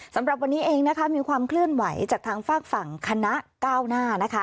สำหรับวันนี้เองนะคะมีความเคลื่อนไหวจากทางฝากฝั่งคณะก้าวหน้านะคะ